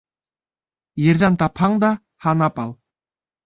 Ерҙән тапһаң да һанап ал.